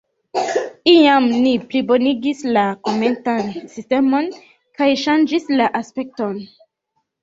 Iam ni plibonigis la komentan sistemon kaj ŝanĝis la aspekton.